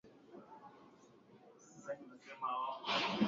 Imetayarishwa na Kennes Bwire, Sauti ya America, Washington